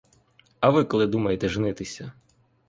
А ви коли думаєте женитися?